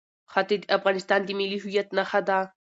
ښتې د افغانستان د ملي هویت نښه ده.